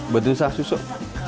beda susah susuk